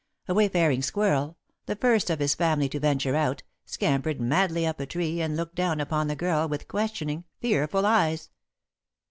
A wayfaring squirrel, the first of his family to venture out, scampered madly up a tree and looked down upon the girl with questioning, fearful eyes.